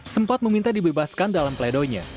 sempat meminta dibebaskan dalam pledoinya